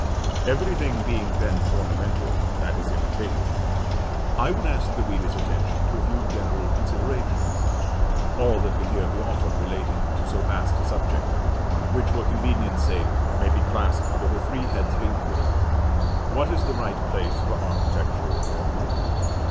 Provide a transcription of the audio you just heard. Every thing being then ornamental that is imitative, I would ask the reader's attention to a few general considerations, all that can here be offered relating to so vast a subject; which, for convenience sake, may be classed under the three heads of inquiry: What is the right place for architectural ornament?